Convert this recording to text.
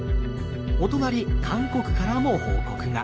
お隣韓国からも報告が。